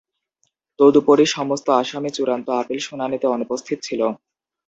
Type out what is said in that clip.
তদুপরি, সমস্ত আসামি চূড়ান্ত আপিল শুনানিতে অনুপস্থিত ছিল।